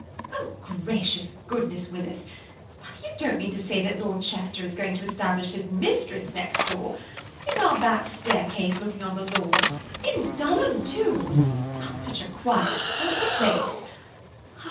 "Oh, gracious goodness, Willis, you don't mean to say that Lord Chester is going to establish his mistress next door, and our back staircase looking on the lawn–in Dulham too! Such a quiet, proper place!